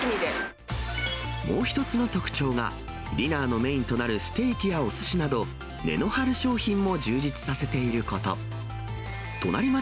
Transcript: もう一つの特徴が、ディナーのメインとなるステーキやおすしなど、値の張る商品も充実させていること。